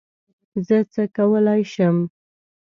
زه څه کولای یم